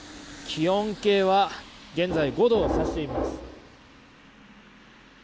気温計は現在５度を指しています。